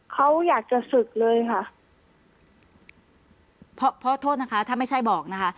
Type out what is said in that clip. เขาอยากจะศึกเลยค่ะเพราะพ่อโทษนะคะถ้าไม่ใช่บอกนะคะ